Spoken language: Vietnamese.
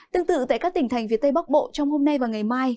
tương tự tại các tỉnh thành phía tây bắc bộ trong hôm nay và ngày mai